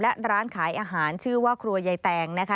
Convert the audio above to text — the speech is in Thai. และร้านขายอาหารชื่อว่าครัวยายแตงนะคะ